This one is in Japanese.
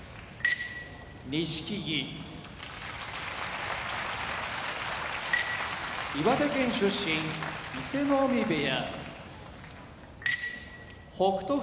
錦木岩手県出身伊勢ノ海部屋北勝